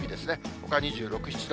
ほか２６、７度。